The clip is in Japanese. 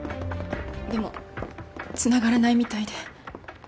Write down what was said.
でもつながらないみたいで。